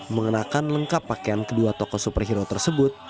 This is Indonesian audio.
mengenakan lengkap pakaian kedua tokoh superhero tersebut